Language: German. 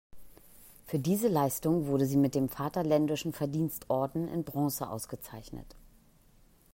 Für diese Leistung wurde sie mit dem Vaterländischen Verdienstorden in Bronze ausgezeichnet.